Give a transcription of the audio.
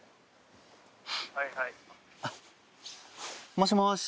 もしもし。